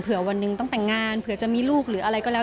วันหนึ่งต้องแต่งงานเผื่อจะมีลูกหรืออะไรก็แล้ว